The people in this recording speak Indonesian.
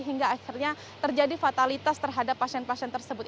hingga akhirnya terjadi fatalitas terhadap pasien pasien tersebut